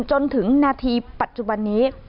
จนถึงนาทีปัจจุบันนี้